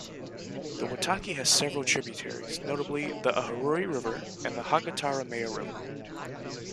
The Waitaki has several tributaries, notably the Ahuriri River and the Hakataramea River.